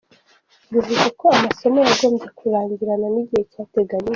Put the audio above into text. Bivuze ko amasomo yagombye kurangirana n’igihe cyateganyijjwe.